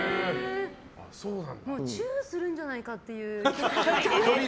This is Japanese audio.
もうチューするんじゃないかっていう。